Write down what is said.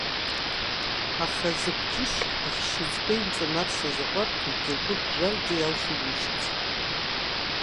Аха зықәҷышь ахьшьыцба имҵанарсыз аҟәарҭ егьа агәы ԥжәаргьы иалшагәышьозеи.